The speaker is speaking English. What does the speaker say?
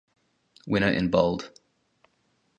Winner in bold.